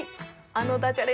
あのダジャレ